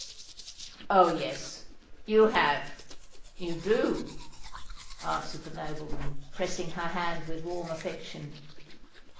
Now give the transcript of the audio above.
"Oh! yes—you have—you do," answered the nobleman, pressing her hand with warm affection.